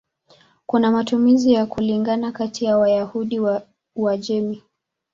Kuna matumizi ya kulingana kati ya Wayahudi wa Uajemi.